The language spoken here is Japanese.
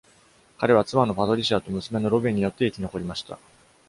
彼は妻のパトリシアと娘のロビンによって生き残りました。